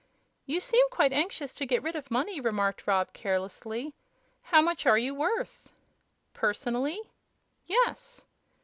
"You seem quite anxious to get rid of money," remarked Rob, carelessly. "How much are you worth?" "Personally?" "Yes."